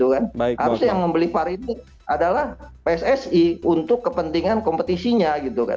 harusnya yang membeli var ini adalah pssi untuk kepentingan kompetisinya